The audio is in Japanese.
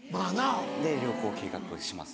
で旅行を計画します。